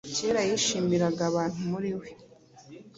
kera yishimiraga abantu muri we!